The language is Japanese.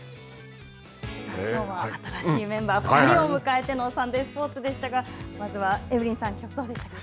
きょうは新しいメンバー２人を迎えてのサンデースポーツでしたがまずはエブリンさん、どうですか。